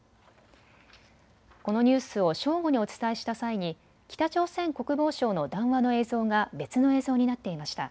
このニュースを正午にお伝えした際に北朝鮮国防省の談話の映像が別の映像になっていました。